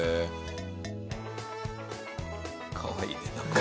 かわいいねなんか。